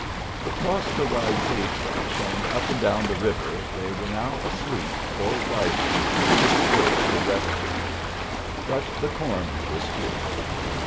Across the wide sagebrush and up and down the river they were now asleep or riding, dispersed irrevocably. But the coroner was here.